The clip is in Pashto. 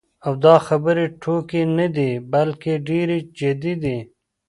او دا خبرې ټوکې نه دي، بلکې ډېرې جدي دي.